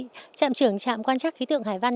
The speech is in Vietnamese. trạm trưởng trạm quan chắc khí tượng hải văn